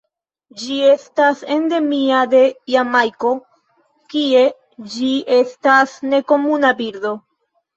Ĝi estas endemia de Jamajko, kie ĝi estas nekomuna birdo.